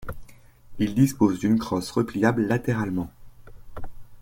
Il dispose d'une crosse repliable latéralement.